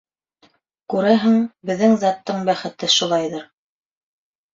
Күрәһең, беҙҙең заттың бәхете шулайҙыр.